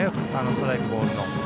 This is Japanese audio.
ストライク、ボールの。